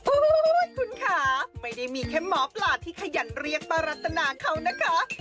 โอ้โหคุณค่ะไม่ได้มีแค่หมอปลาที่ขยันเรียกป้ารัตนาเขานะคะ